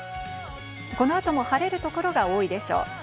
この後も晴れる所が多いでしょう。